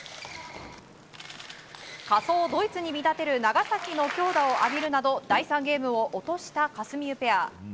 仮想ドイツに見立てる長崎の強打を浴びるなど第３ゲームを落としたかすみうペア。